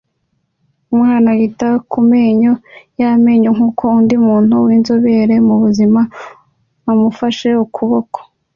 Umwana yita ku menyo y’amenyo nkuko undi muntu winzobere mu buzima amufashe ukuboko